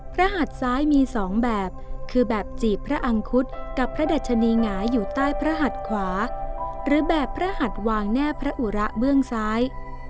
หัดซ้ายมีสองแบบคือแบบจีบพระอังคุดกับพระดัชนีหงายอยู่ใต้พระหัดขวาหรือแบบพระหัดวางแน่พระอุระเบื้องซ้าย